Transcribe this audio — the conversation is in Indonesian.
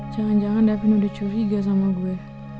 jangan jangan david udah curiga sama gue